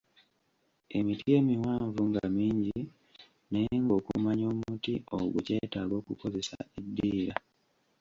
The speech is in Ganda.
Emiti emiwanvu nga mingi naye ng'okumanya omuti ogwo kyetaaga okukozesa eddiira.